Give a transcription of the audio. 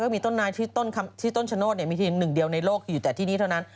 คิดต้อนนายทิศต้นชนอดเนี่ยมีทีหนึ่งเดียวในโลกอยู่แต่ที่นี้เท่านั้น